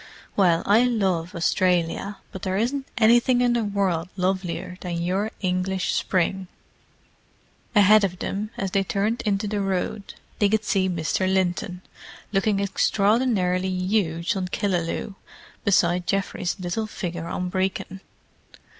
"Well, I love Australia, but there isn't anything in the world lovelier than your English spring!" Ahead of them, as they turned into the road, they could see Mr. Linton, looking extraordinarily huge on Killaloe, beside Geoffrey's little figure on Brecon.